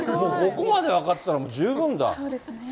ここまで分かってたら十分だ。